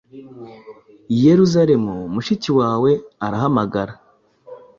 Yerusalemu mushiki wawe arahamagara!